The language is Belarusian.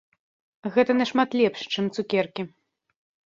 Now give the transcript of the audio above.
Гэта нашмат лепш, чым цукеркі.